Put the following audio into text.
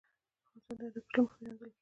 افغانستان د هندوکش له مخې پېژندل کېږي.